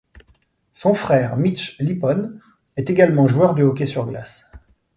Son frère Mitch Lipon est également joueur de hockey sur glace.